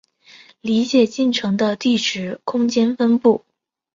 理解进程的地址空间分布